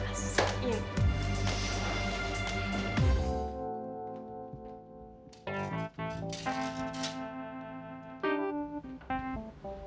aku capek banget